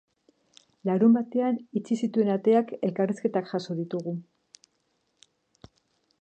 Larunbatean itxi zituen ateak elkarrizketak jaso ditugu.